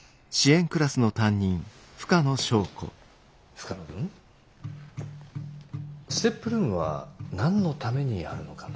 深野君ＳＴＥＰルームは何のためにあるのかな？